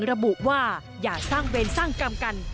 ระบุว่าอย่าสร้างเวรสร้างกรรมกัน